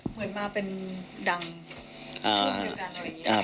เหมือนมาเป็นดังช่วงเดียวกันอะไรอย่างนี้